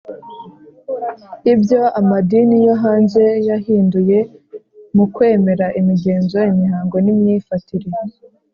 ibyo amadini yo hanze yahinduye mu kwemera, imigenzo, imihango n'imyifatire.